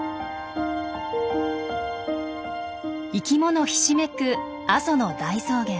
生きものひしめく阿蘇の大草原。